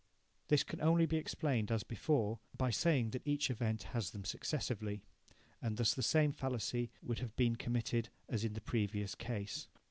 This can only be explained, as before, by saying that each event has them successively. And thus the same fallacy would have been committed as in the previous case.